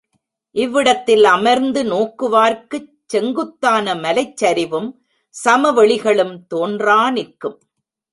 இவ்விடத்தில் அமர்ந்து நோக்குவார்க்குச் செங்குத்தான மலைச் சரிவும், சமவெளிகளும் தோன்றா நிற்கும்.